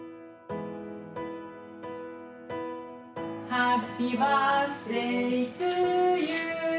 「ハッピーバースデートゥユー」